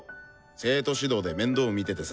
生徒指導で面倒見ててさ。